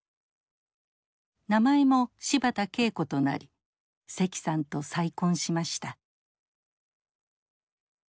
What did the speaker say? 名前も芝田桂子となり石さんと再婚しました。